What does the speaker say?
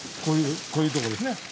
こういうこういうとこですね。